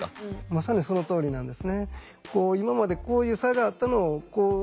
まさにそのとおりなんですね。